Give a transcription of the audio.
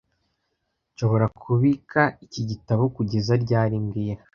Nshobora kubika iki gitabo kugeza ryari mbwira